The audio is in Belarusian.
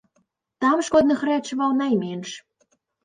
Там шкодных рэчываў найменш.